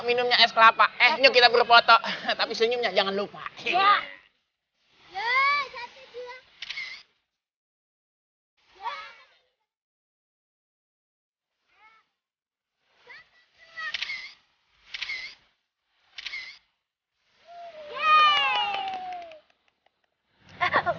minumnya es kelapa eh kita berfoto tapi senyumnya jangan lupa ya ya ya